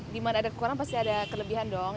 di mana ada kekurangan pasti ada kelebihan dong